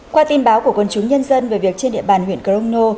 qua tin báo của quân chúng nhân dân về việc trên địa bàn huyện crono